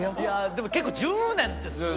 でも結構１０年ってすごい。